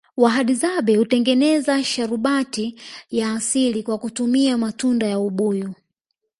wahadzabe hutengeza sharubati ya asili kwa kutumia matunda ya ubuyu